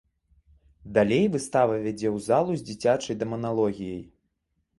Далей выстава вядзе ў залу з дзіцячай дэманалогіяй.